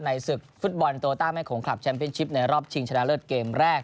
ศึกฟุตบอลโตต้าแม่โขงคลับแชมเป็นชิปในรอบชิงชนะเลิศเกมแรก